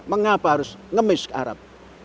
mengapa harus ngemis ke arab